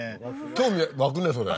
興味湧くねそれ。